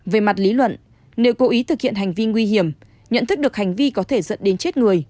về mặt lý luận nếu cố ý thực hiện hành vi nguy hiểm nhận thức được hành vi có thể dẫn đến chết người